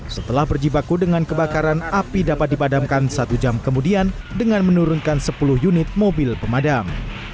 setelah berjibaku dengan kebakaran api dapat dipadamkan satu jam kemudian dengan menurunkan sepuluh unit mobil pemadam